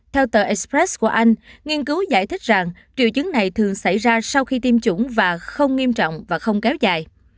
theo tờ express của anh nghiên cứu giải thích rằng triệu chứng này thường xảy ra sau khi tiêm chủng và không nghiêm trọng và không kéo dài